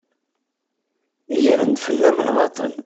Gren-d fell-am lbaṭel.